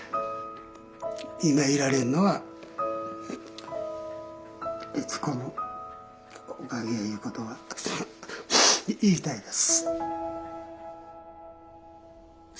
今いられるのは悦子のおかげやいうことは言いたいです。